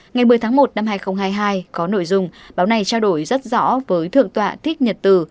ngày một mươi tháng một năm hai nghìn hai mươi hai có nội dung báo này trao đổi rất rõ với thượng tọa thích nhật từ